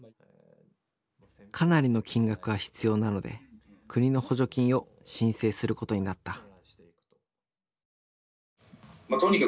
かなりの金額が必要なので国の補助金を申請することになった。